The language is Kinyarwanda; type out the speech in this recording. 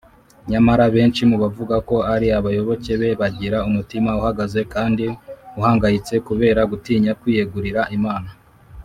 nyamara benshi mu bavuga ko ari abayoboke be bagira umutima uhagaze kandi uhangayitse, kubera gutinya kwiyegurira imana